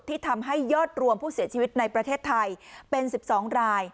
ที่ทำให้ยอดรวมผู้เสียชีวิตในประเทศไทยเป็น๑๒ราย